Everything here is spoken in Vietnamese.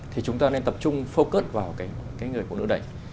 thì chúng ta nên tập trung focus vào cái người phụ nữ đấy